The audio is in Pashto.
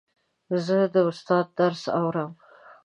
زه د استاد درس اورم.